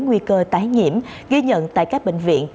nguy cơ tái nhiễm ghi nhận tại các bệnh viện